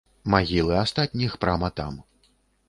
Магілы астатніх прама там.